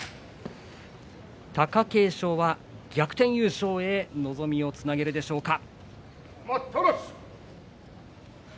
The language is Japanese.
貴景勝は逆転優勝に望みをつなげるでしょうか。